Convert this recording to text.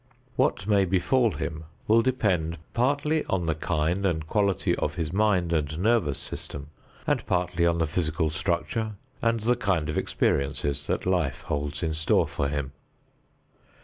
What may befall him will depend partly on the kind and quality of his mind and nervous system, and partly on the physical structure and the kind of experiences that life holds in store for him.